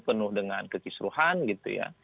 penuh dengan kekisruhan gitu ya